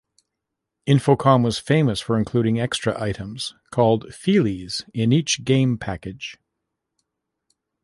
Infocom was famous for including extra items, called feelies, with each game package.